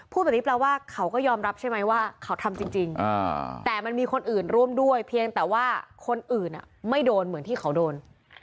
พูดแบบนี้แปลว่าเขาก็ยอมรับใช่ไหมว่าเขาทำจริงแต่มันมีคนอื่นร่วมด้วยเพียงแต่ว่าคนอื่นไม่โดนเหมือนที่เขาโดน